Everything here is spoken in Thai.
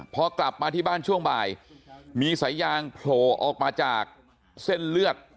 พอกลับมาที่บ้านช่วงบ่ายมีสายยางโผล่ออกมาจากเส้นเลือด